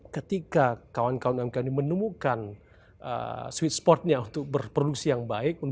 ketika kawan kawan umkm ini menemukan switch spotnya untuk berproduksi yang baik